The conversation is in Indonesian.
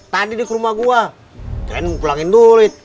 tadi di rumah gua keren ngulangin dulit